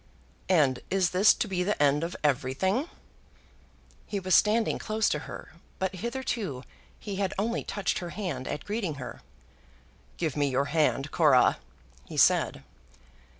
"And is this to be the end of everything?" He was standing close to her, but hitherto he had only touched her hand at greeting her. "Give me your hand, Cora," he said.